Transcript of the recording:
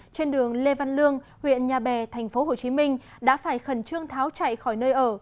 trên đường lê văn lương huyện nhà bè tp hcm đã phải khẩn trương tháo chạy khỏi nơi ở